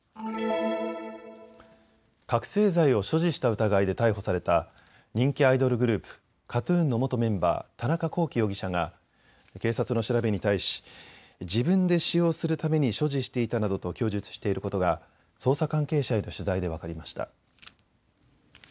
覚醒剤を所持した疑いで逮捕された人気アイドルグループ、ＫＡＴーＴＵＮの元メンバー田中聖容疑者が警察の調べに対し自分で使用するために所持していたなどと供述していることが捜査関係者への取材で分かりました。